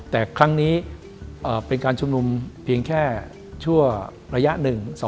แต่ครั้งนี้เป็นการชุมนุมเพียงแค่ชั่วระยะ๑๒